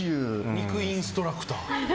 肉インストラクター。